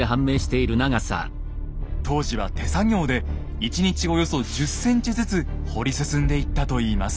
当時は手作業で１日およそ１０ｃｍずつ掘り進んでいったといいます。